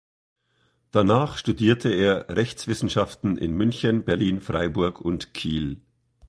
Danach studierte er Rechtswissenschaften in München, Berlin, Freiburg und Kiel.